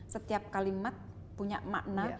setiap kalimat punya makna